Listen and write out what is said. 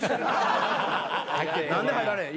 何で入られへん？